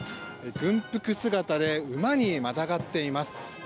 軍服姿で馬にまたがっています。